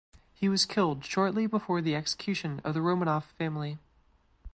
He was killed shortly before the Execution of the Romanov family.